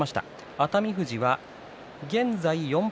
熱海富士が現在４敗